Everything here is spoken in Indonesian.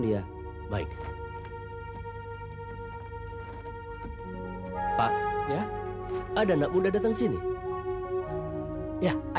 dia lah laki laki dambaan saya